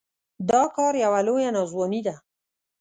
دا کار يوه لويه ناځواني ده.